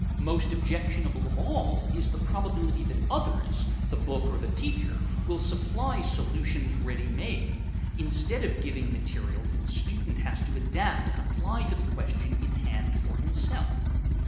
Most objectionable of all is the probability that others, the book or the teacher, will supply solutions ready made, instead of giving material that the student has to adapt and apply to the question in hand for himself.